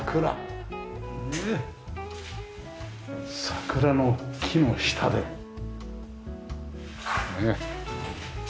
桜の木の下でねえ。